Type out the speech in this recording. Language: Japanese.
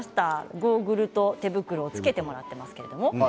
ゴーグルと手袋をつけてもらっていますね。